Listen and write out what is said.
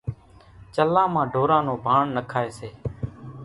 چلان مان ڍوران نون ڀاڻ نکائيَ سي۔